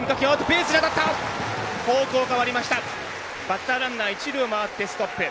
バッターランナー一塁を回ってストップ。